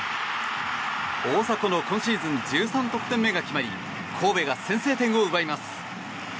大迫の今シーズン１３得点目が決まり神戸が先制点を奪います。